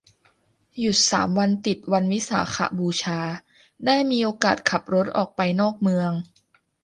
หยุดสามวันติดวันวิสาขบูชา ได้มีโอกาสขับรถออกไปนอกเมือง